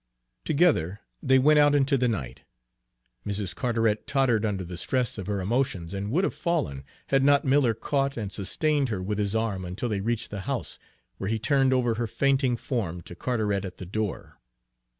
Together they went out into the night. Mrs. Carteret tottered under the stress of her emotions, and would have fallen, had not Miller caught and sustained her with his arm until they reached the house, where he turned over her fainting form to Carteret at the door.